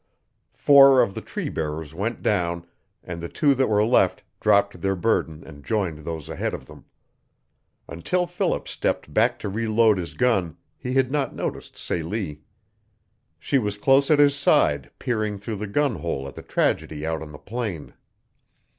Four of the tree bearers went down, and the two that were left dropped their burden and joined those ahead of them. Until Philip stepped back to reload his gun he had not noticed Celie. She was close at his side, peering through the gun hole at the tragedy out on the plain.